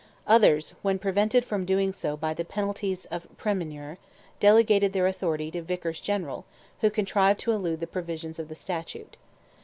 Others, when prevented from so doing by the penalties of praemunire, delegated their authority to Vicars General, who contrived to elude the provisions of the statute.